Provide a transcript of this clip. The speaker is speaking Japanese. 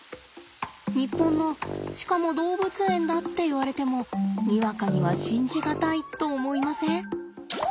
日本のしかも動物園だっていわれてもにわかには信じ難いと思いません？